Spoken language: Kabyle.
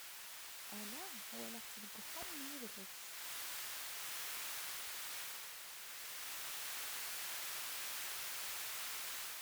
Ala, walaɣ-tt deg wexxam n yidles.